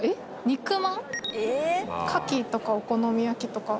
肉まん？牡蠣とかお好み焼きとか。